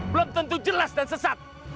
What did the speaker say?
belum tentu jelas dan sesat